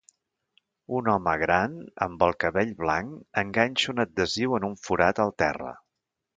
Un home gran amb el cabell blanc enganxa un adhesiu en un forat al terra.